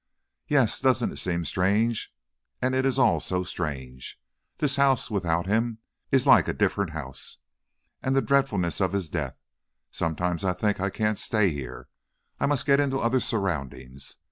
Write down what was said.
"Yes; doesn't it seem strange? And it is all so strange! This house, without him, is like a different house. And the dreadfulness of his death! Sometimes I think I can't stay here, I must get into other surroundings.